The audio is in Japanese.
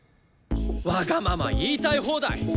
わがまま言いたい放題。